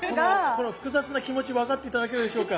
この複雑な気持ち分かって頂けるでしょうか。